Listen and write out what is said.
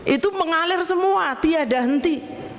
itu mengalir semua tiada henti